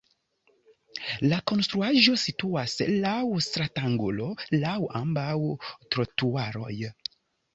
La konstruaĵo situas laŭ stratangulo laŭ ambaŭ trotuaroj.